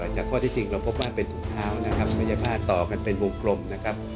จากข้อที่จริงเราพบว่าเป็นถุงเท้านะครับไม่ใช่ผ้าต่อกันเป็นวงกลมนะครับ